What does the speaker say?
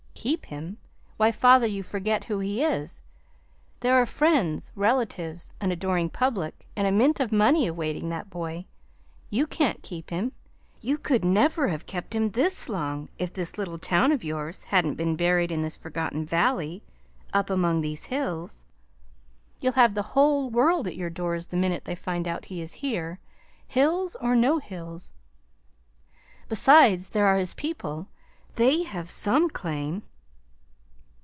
"Keep him! Why, father, you forget who he is! There are friends, relatives, an adoring public, and a mint of money awaiting that boy. You can't keep him. You could never have kept him this long if this little town of yours hadn't been buried in this forgotten valley up among these hills. You'll have the whole world at your doors the minute they find out he is here hills or no hills! Besides, there are his people; they have some claim."